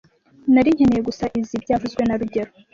Nari nkeneye gusa izoi byavuzwe na rugero